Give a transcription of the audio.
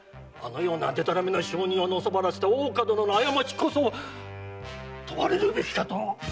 あのようなでたらめな証人をのさばらせた大岡殿の過ちこそ問われるべきかと！